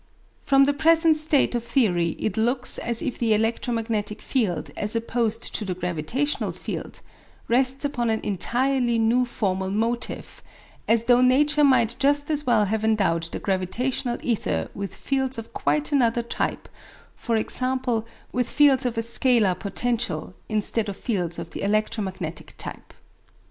From the present state of theory it looks as if the electromagnetic field, as opposed to the gravitational field, rests upon an entirely new formal motif, as though nature might just as well have endowed the gravitational ether with fields of quite another type, for example, with fields of a scalar potential, instead of fields of the electromagnetic type.